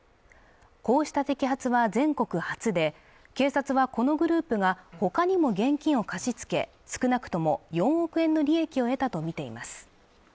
こうした摘発は全国初で警察はこのグループがほかにも現金を貸し付け少なくとも４億円の利益を得たとみています